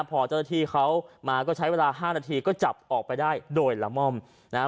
พอเจ้าหน้าที่เขามาก็ใช้เวลาห้านาทีก็จับออกไปได้โดยละม่อมนะฮะ